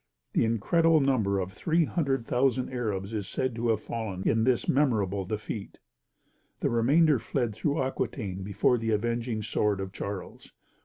The incredible number of 300,000 Arabs is said to have fallen in this memorable defeat. The remainder fled through Aquitaine before the avenging sword of Charles.